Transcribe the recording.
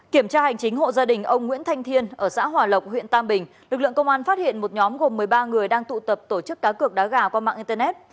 kiểm tra hành chính hộ gia đình ông nguyễn thanh thiên ở xã hòa lộc huyện tam bình lực lượng công an phát hiện một nhóm gồm một mươi ba người đang tụ tập tổ chức cá cược đá gà qua mạng internet